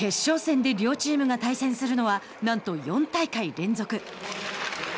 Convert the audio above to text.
決勝戦で両チームが対戦するのはなんと４大会連続。